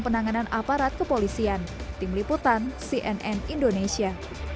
penanganan aparat kepolisian tim liputan cnn indonesia